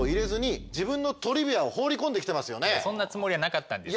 そんなつもりはなかったんですけど。